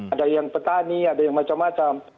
ada yang petani ada yang macam macam